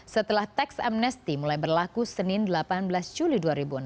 setelah tax amnesty mulai berlaku senin delapan belas juli dua ribu enam belas